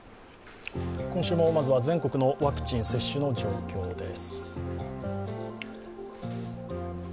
今週もまずは全国のワクチン接種の状況です。